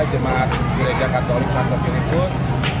jemaat gereja katolik sampo piliput